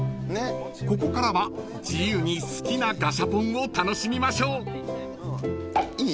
［ここからは自由に好きなガシャポンを楽しみましょう］いい？